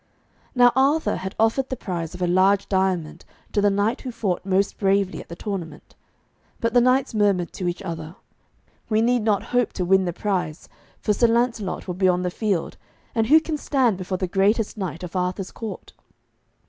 Now Arthur had offered the prize of a large diamond to the knight who fought most bravely at the tournament. But the knights murmured to each other, 'We need not hope to win the prize, for Sir Lancelot will be on the field, and who can stand before the greatest knight of Arthur's court?'